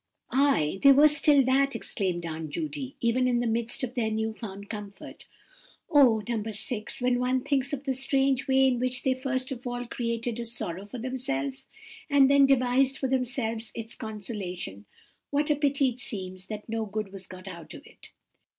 "Ay, they were still that," exclaimed Aunt Judy, "even in the midst of their new found comfort. Oh, No. 6, when one thinks of the strange way in which they first of all created a sorrow for themselves, and then devised for themselves its consolation, what a pity it seems that no good was got out of it!"